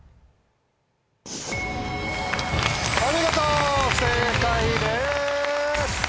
お見事正解です！